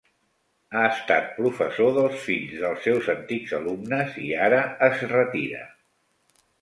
Ha estat professor dels fills dels seus antics alumnes, i ara es retira.